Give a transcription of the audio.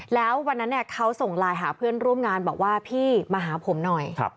แล้ววันนั้นเขาส่งไลน์หาเพื่อนร่วมงานบอกว่าพี่มาหาผมหน่อย